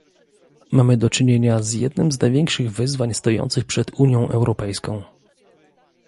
Mamy do czynienia z jednym z największych wyzwań stojących przed Unią Europejską